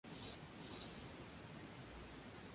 Fue educado en el Eton College.